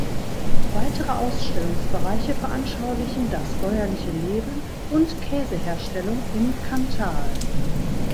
Weitere Ausstellungsbereiche veranschaulichen das bäuerliche Leben und Käseherstellung im Cantal.